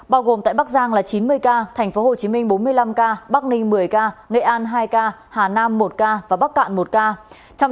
bao gồm tại bắc giang là chín mươi ca tp hcm bốn mươi năm ca bắc ninh một mươi ca nghệ an hai ca hà nam một ca và bắc cạn một ca